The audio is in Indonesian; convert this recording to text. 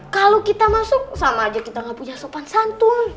kalau kita masuk sama aja kita gak punya sopan santun